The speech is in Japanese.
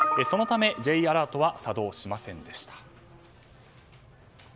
そのためＪアラートは作動しませんでした。